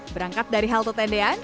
berangkat dari halte tendean